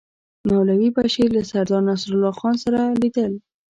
مولوي بشیر له سردار نصرالله خان سره لیدل.